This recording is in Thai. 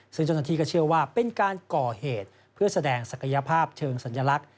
ซึ่งเจ้าหน้าที่ก็เชื่อว่าเป็นการก่อเหตุเพื่อแสดงศักยภาพเชิงสัญลักษณ